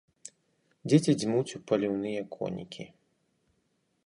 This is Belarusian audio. Дзеці дзьмуць у паліўныя конікі.